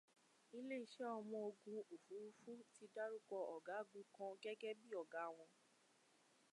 Ilé iṣẹ́ ọmọ ogun òfurufú ti dárúkọ ọ̀gágun kan gẹ́gẹ́ bí ọ̀gá wọn